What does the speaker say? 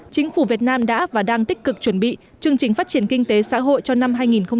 chính phủ việt nam đã và đang tích cực chuẩn bị chương trình phát triển kinh tế xã hội cho năm hai nghìn hai mươi